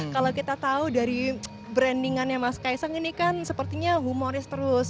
kalau kita tahu dari brandingannya mas kaisang ini kan sepertinya humoris terus